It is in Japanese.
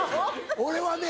俺はね